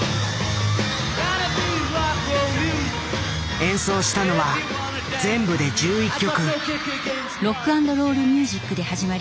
演奏したのは全部で１１曲。